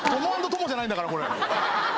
じゃないんだからこれ。